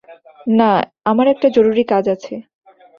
না, আমার একটা জরুরি কাজ আছে।